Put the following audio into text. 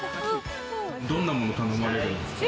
どんなもの頼まれるんですか？